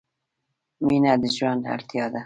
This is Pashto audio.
• مینه د ژوند اړتیا ده.